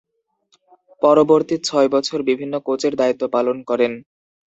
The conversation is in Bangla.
পরবর্তী ছয় বছর বিভিন্ন কোচের দায়িত্ব পালন করেন।